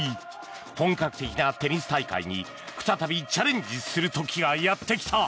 本格的なテニス大会に再びチャレンジする時がやってきた。